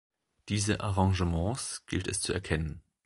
Diese Arrangements gilt es zu erkennen.